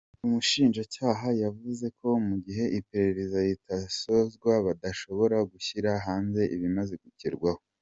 Umushinjacyaha yavuze ko mu gihe iperereza ritarasozwa badashobora gushyira hanze ibimaze kugerwaho.